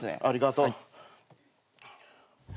ありがとう。